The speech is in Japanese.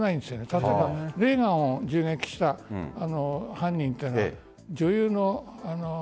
例えば、レーガンを銃撃した犯人というのは女優の。